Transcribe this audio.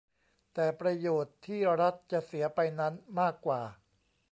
แต่ประโยชน์ที่รัฐจะเสียไปนั้นมากกว่า